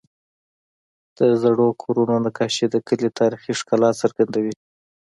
د زړو کورونو نقاشې د کلي تاریخي ښکلا څرګندوي.